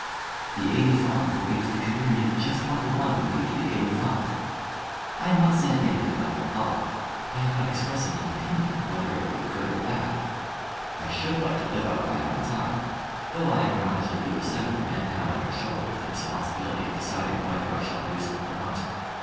"The eighty five will be to the community just what the one would be to the eighty five. I am not saying anything about your law. I am not expressing an opinion whether it would be good or bad. I should like to live out my own time, though I acknowledge that you Assembly men have on your shoulders the responsibility of deciding whether I shall do so or not.